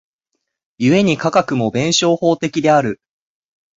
故に科学も弁証法的である。